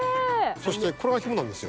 そしてこれが肝なんですよ。